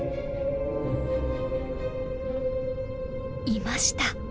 いました。